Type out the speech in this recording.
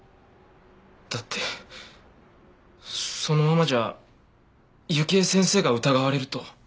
だってそのままじゃ雪絵先生が疑われると。